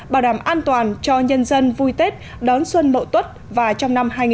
bảo đảm an toàn cho nhân dân vui tết đón xuân mậu tuất và trong năm hai nghìn hai mươi